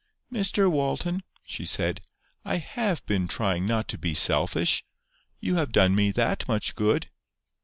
"Mr Walton," she said, "I HAVE been trying not to be selfish. You have done me that much good."